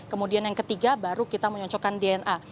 kemudian yang ketiga baru kita menyocokkan dna